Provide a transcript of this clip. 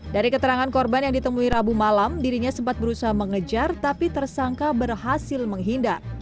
dari keterangan korban yang ditemui rabu malam dirinya sempat berusaha mengejar tapi tersangka berhasil menghindar